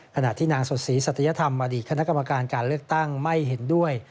ขณะที่นางสดศรีสัตยธรรมอดีตคณะกรรมการการเลือกตั้งไม่เห็นด้วย